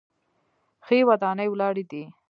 ښې ودانۍ ولاړې دي.